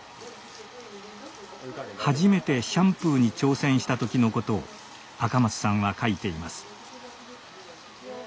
初めてシャンプーに挑戦した時のことを赤松さんは書いています。